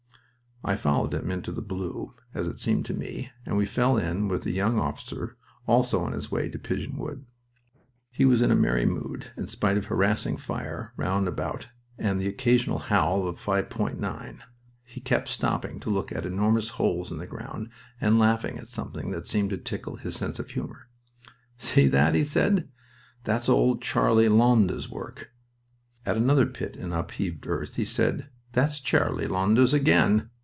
I followed him into the blue, as it seemed to me, and we fell in with a young officer also on his way to Pigeon Wood. He was in a merry mood, in spite of harassing fire round about and the occasional howl of a 5.9. He kept stopping to look at enormous holes in the ground and laughing at something that seemed to tickle his sense of humor. "See that?" he said. "That's old Charlie Lowndes's work." At another pit in upheaved earth he said: "That's Charlie Lowndes again...